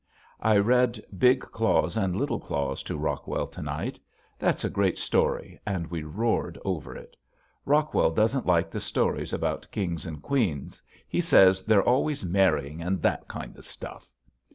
I read "Big Claus and Little Claus" to Rockwell to night. That's a great story and we roared over it. Rockwell doesn't like the stories about kings and queens, he says, "They're always marrying and that kind of stuff."